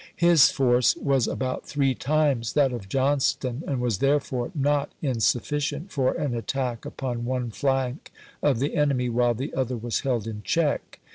His force was about three times that of Johnston, and was therefore not insufficient for an attack upon one flank of the enemy while the other was held in check.